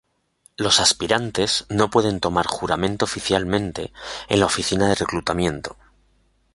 Los aspirantes no pueden tomar juramento oficialmente en la oficina de reclutamiento.